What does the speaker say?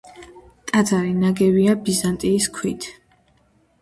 ტაძარი ნაგებია ბაზალტის ქვით.